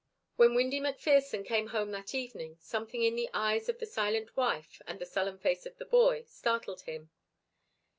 When Windy McPherson came home that evening, something in the eyes of the silent wife, and the sullen face of the boy, startled him.